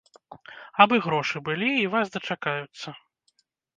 Абы грошы былі, і вас дачакаюцца.